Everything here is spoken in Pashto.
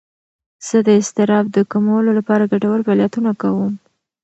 زه د اضطراب د کمولو لپاره ګټور فعالیتونه کوم.